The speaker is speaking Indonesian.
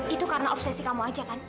itu karena obsesi kamu aja kan